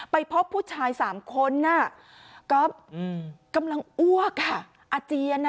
ไปพบผู้ชายสามคนน่ะก็กำลังอ้วกอ่ะอาเจียนอ่ะ